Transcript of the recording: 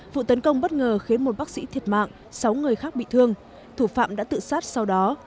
vụ tấn công bất ngờ khiến một bác sĩ thiệt mạng sáu người khác bị thương thủ phạm đã tự sát sau đó